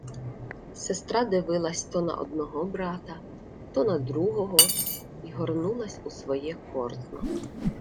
Сестра дивилася то на одного брата, то на другого й горнулась у своє корзно.